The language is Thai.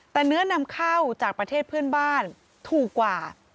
แต่เนื้อนำเข้าจากประเทศเพื่อนบ้านถูกกว่า